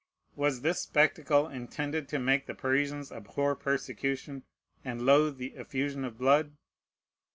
Was this spectacle intended to make the Parisians abhor persecution and loathe the effusion of blood?